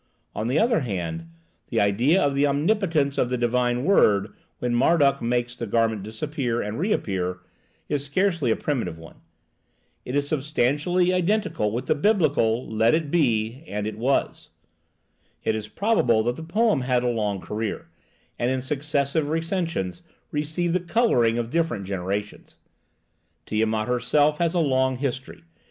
On the other hand, the idea of the omnipotence of the divine word, when Marduk makes the garment disappear and reappear, is scarcely a primitive one. It is substantially identical with the Biblical "Let it be, and it was." It is probable that the poem had a long career, and in successive recensions received the coloring of different generations. Tiamat herself has a long history.